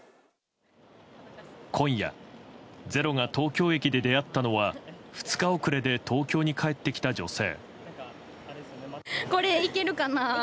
今夜、「ｚｅｒｏ」が東京駅で出会ったのは２日遅れで東京に帰ってきた女性。